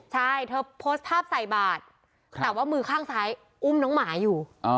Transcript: ใช่เธอโพสต์ภาพใส่บาทแต่ว่ามือข้างซ้ายอุ้มน้องหมาอยู่